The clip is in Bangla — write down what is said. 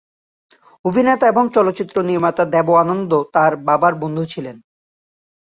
অভিনেতা এবং চলচ্চিত্র নির্মাতা দেব আনন্দ তাঁর বাবার বন্ধু ছিলেন।